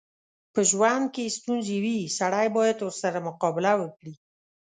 په ژوند کې ستونځې وي، سړی بايد ورسره مقابله وکړي.